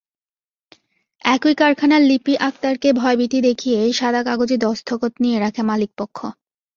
একই কারখানার লিপি আক্তারকে ভয়ভীতি দেখিয়ে সাদা কাগজে দস্তখত নিয়ে রাখে মালিকপক্ষ।